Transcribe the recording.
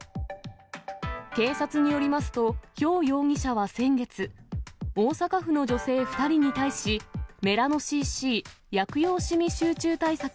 警察によりますと、馮容疑者は先月、大阪府の女性２人に対し、メラノＣＣ薬用しみ集中対策